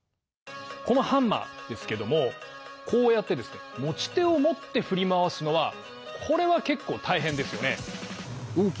このハンマーですけどもこうやってですね持ち手を持って振り回すのはこれは結構大変ですよね。